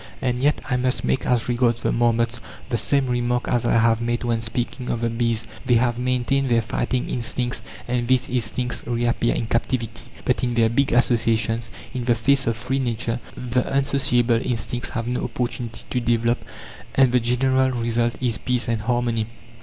And yet, I must make, as regards the marmots, the same remark as I have made when speaking of the bees. They have maintained their fighting instincts, and these instincts reappear in captivity. But in their big associations, in the face of free Nature, the unsociable instincts have no opportunity to develop, and the general result is peace and harmony.